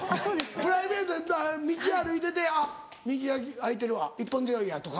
・プライベートで道歩いてて「あっ右空いてるわ一本背負いや」とか。